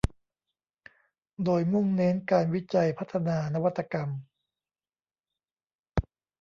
โดยมุ่งเน้นการวิจัยพัฒนานวัตกรรม